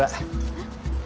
えっ？